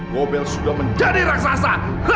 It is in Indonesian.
gobel sudah menjadi raksasa